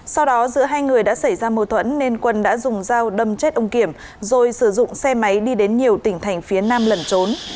sau đó giữa hai người đã xảy ra mâu thuẫn nên quân đã dùng dao đâm chết ông kiểm rồi sử dụng xe máy đi đến nhiều tỉnh thành phía nam lẩn trốn